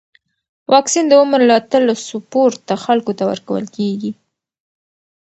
واکسن د عمر له اتلسو پورته خلکو ته ورکول کېږي.